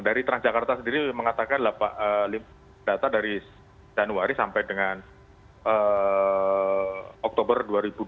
dari transjakarta sendiri mengatakan data dari januari sampai dengan oktober dua ribu dua puluh